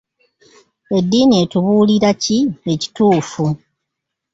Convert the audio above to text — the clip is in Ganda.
Eddiini etubuulira ki ekituufu.